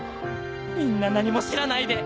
みんな何も知らないで！